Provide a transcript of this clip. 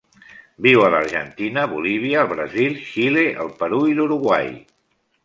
Viu a l'Argentina, Bolívia, el Brasil, Xile, el Perú i l'Uruguai.